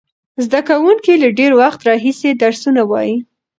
زده کوونکي له ډېر وخت راهیسې درسونه وایي.